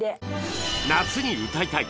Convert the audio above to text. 『夏に歌いたい！